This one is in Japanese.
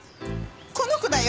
この子だよ。